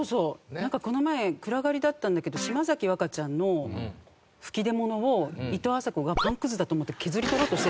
なんかこの前暗がりだったんだけど島崎和歌ちゃんの吹き出物をいとうあさこがパンくずだと思って削り取ろうとして。